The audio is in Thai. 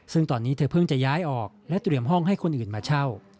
ซึ่งตอนนี้เธอเพิ่งจะย้ายออกและเตรียมห้องให้คนอื่นมาเช่า